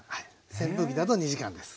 扇風機だと２時間です。